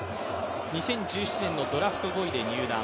２０１７年のドラフト５位で入団。